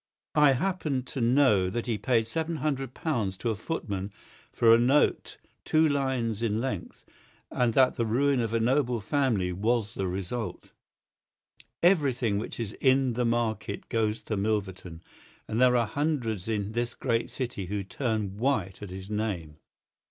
I happen to know that he paid seven hundred pounds to a footman for a note two lines in length, and that the ruin of a noble family was the result. Everything which is in the market goes to Milverton, and there are hundreds in this great city who turn white at his name.